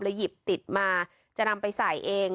หยิบติดมาจะนำไปใส่เอง